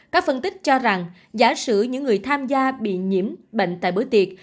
các phân tích cho rằng giả sử những người tham gia bị nhiễm bệnh tại bữa tiệc